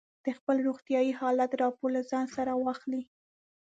د خپل روغتیايي حالت راپور له ځان سره واخلئ.